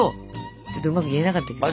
ちょっとうまく言えなかったけど。